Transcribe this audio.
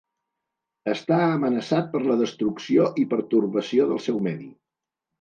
Està amenaçat per la destrucció i pertorbació del seu medi.